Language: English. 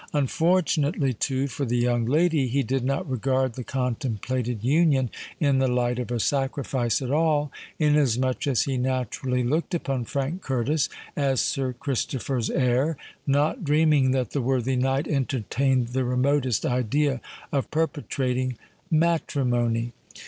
Unfortunately, too, for the young lady, he did not regard the contemplated union in the light of a sacrifice at all; inasmuch as he naturally looked upon Frank Curtis as Sir Christopher's heir, not dreaming that the worthy knight entertained the remotest idea of perpetrating matrimony.